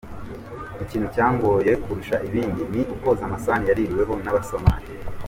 Ikintu cyangoye kurusha ibindi, ni ukoza amasahani yaririweho n’abasomali.